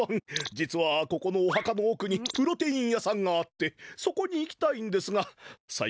実はここのおはかのおくにプロテイン屋さんがあってそこに行きたいんですがさい